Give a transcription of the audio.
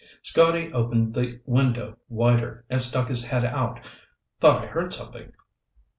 Scotty opened the window wider and stuck his head out. "Thought I heard something."